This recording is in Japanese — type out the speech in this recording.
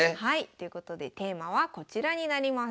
ということでテーマはこちらになります。